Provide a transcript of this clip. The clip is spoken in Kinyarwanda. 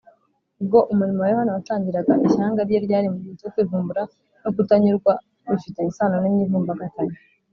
’ Ubwo umurimo wa Yohana watangiraga, ishyanga rye ryari mu gihe cyo kwivumbura no kutanyurwa bifitanye isano n’imyivumbagatanyo.